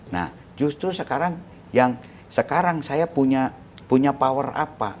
nah justru sekarang saya punya power apa